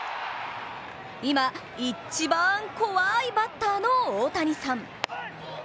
今、一番怖いバッターの大谷さん。